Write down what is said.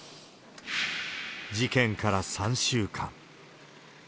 事件から３週間。